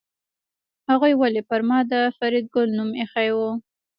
هغه ولې پر ما د فریدګل نوم ایښی و